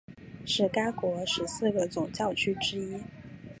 是该国十四个总教区之一。